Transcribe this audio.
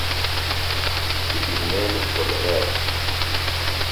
It is named for the Rev.